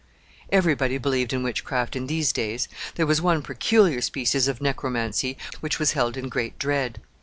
Every body believed in witchcraft in these days. There was one peculiar species of necromancy which was held in great dread.